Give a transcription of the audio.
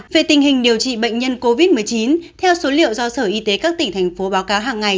về tình hình điều trị bệnh nhân covid một mươi chín theo số liệu do sở y tế các tỉnh thành phố báo cáo hàng ngày